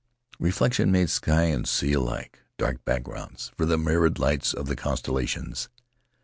Reflection made sky and sea alike — dark backgrounds for the myriad lights of the con stellations.